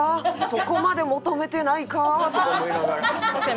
そこまで求めてないか？とか思いながら。